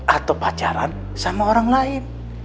atau pacaran sama orang lain